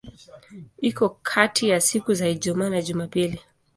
Iko kati ya siku za Ijumaa na Jumapili.